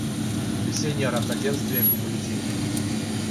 Весеннее равноденствие кумулятивно.